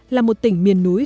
là một tỉnh miền núi